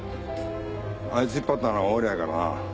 あいつ引っ張ったのは俺やからな。